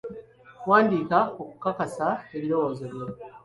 Wandiika okukakasa ebirowoozo byo.